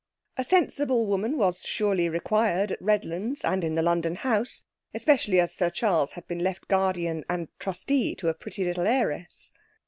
A sensible woman was surely required at Redlands and in the London house, especially as Sir Charles had been left guardian and trustee to a pretty little heiress.